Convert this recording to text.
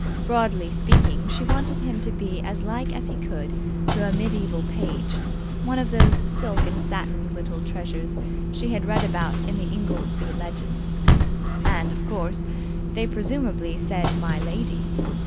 Broadly speaking, she wanted him to be as like as he could to a medieval page, one of those silk and satined little treasures she had read about in the Ingoldsby Legends. And, of course, they presumably said 'my lady'.